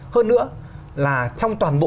hơn nữa là trong toàn bộ